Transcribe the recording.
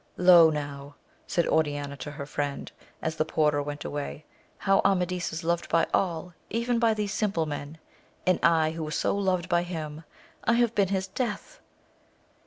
Lo now I said Oriana to her friend, as the porter went away, how Amadis is loved by all, even by these simple men ; and I who was so loved by him, I have been his death